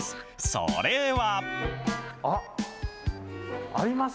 それは。